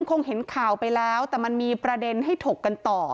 คงเห็นข่าวไปแล้วแต่มันมีประเด็นให้ถกกันต่อ